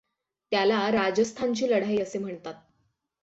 त्याला राजस्थानची लढाई असे म्हणतात.